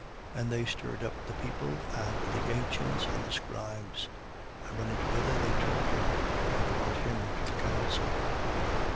6:12. And they stirred up the people and the ancients and the scribes. And running together, they took him and brought him to the council.